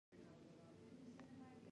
هولمز په ټوټو کې یو شی ولید.